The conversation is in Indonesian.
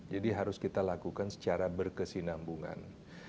jadi harus kita lakukan secara berkesinambungan